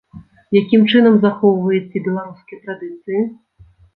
Якім чынам захоўваеце беларускія традыцыі?